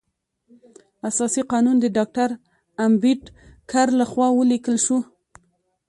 اساسي قانون د ډاکټر امبیډکر لخوا ولیکل شو.